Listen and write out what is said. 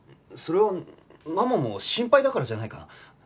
それはママも心配だからじゃないかな？